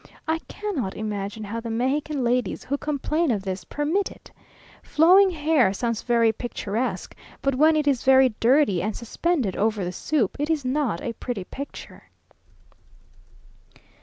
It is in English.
I cannot imagine how the Mexican ladies, who complain of this, permit it. Flowing hair sounds very picturesque, but when it is very dirty, and suspended over the soup, it is not a pretty picture.